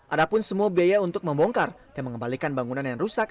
ada pun semua biaya untuk membongkar dan mengembalikan bangunan yang rusak